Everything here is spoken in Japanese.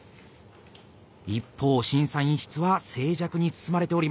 一方審査員室は静寂に包まれております。